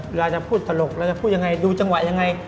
เวลาจะพูดตลกเราจะพูดยังไงดูจังหวะยังไง